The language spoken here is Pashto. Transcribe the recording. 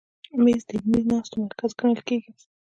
مېز د علمي ناستو مرکز ګڼل کېږي.